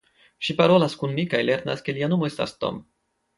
Ŝi parolas kun li kaj lernas ke lia nomo estas Tom.